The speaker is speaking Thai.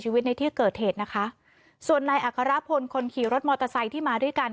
ในที่เกิดเหตุนะคะส่วนนายอัครพลคนขี่รถมอเตอร์ไซค์ที่มาด้วยกัน